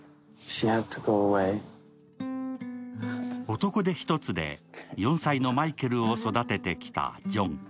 男手一つで４歳のマイケルを育ててきたジョン。